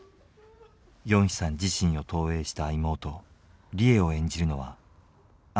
ヨンヒさん自身を投影した妹リエを演じるのは安藤サクラ。